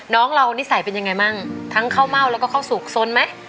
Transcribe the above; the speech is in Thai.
น้องเรานิสัยเป็นยังไงบ้างทั้งข้าวเม่าแล้วก็ข้าวสุกสนไหม